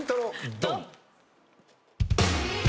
ドン！